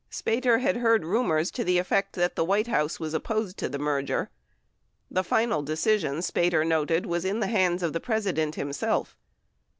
Spater had heard rumors to the effect that the White House was opposed to the merger; the final decision, Spater noted, was in the hands of the President, himself.